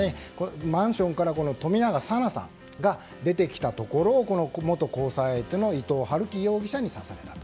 マンションから冨永紗菜さんが出てきたところを元交際相手の伊藤龍稀容疑者に刺された。